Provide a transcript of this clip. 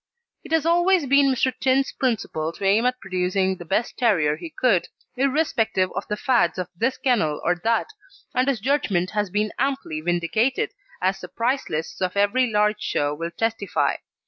It has always been Mr. Tinne's principle to aim at producing the best terrier he could, irrespective of the fads of this kennel or that, and his judgment has been amply vindicated, as the prize lists of every large show will testify.